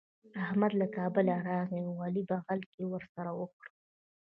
احمد له کابله راغی او علي بغل کښي ورسره وکړه.